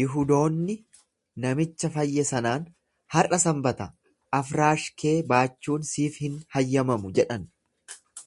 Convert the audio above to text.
Yihudoonni namicha fayye sanaan, Har’a Sanbata, afraash kee baachuun siif hin hayyamamu jedhan.